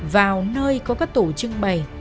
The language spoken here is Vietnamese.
vào nơi có các tủ trưng bày